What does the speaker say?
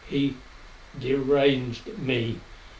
He deranged me.